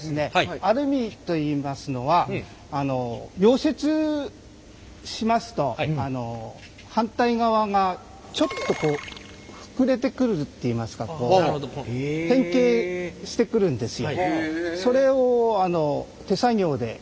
アルミといいますのは溶接しますと反対側がちょっとこう膨れてくるっていいますか変形してくるんですよ。